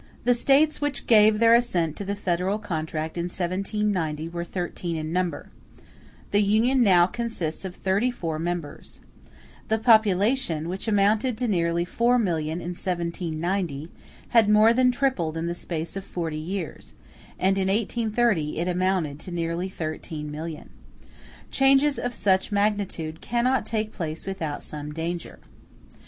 ] The States which gave their assent to the federal contract in 1790 were thirteen in number; the Union now consists of thirty four members. The population, which amounted to nearly 4,000,000 in 1790, had more than tripled in the space of forty years; and in 1830 it amounted to nearly 13,000,000. *e Changes of such magnitude cannot take place without some danger.